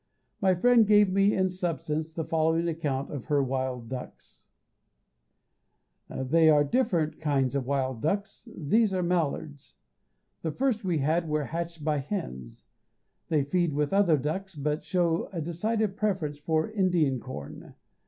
My friend gave me in substance the following account of her wild ducks: "There are different kinds of wild ducks; these are mallards. The first we had were hatched by hens. They feed with the other ducks, but show a decided preference for Indian corn.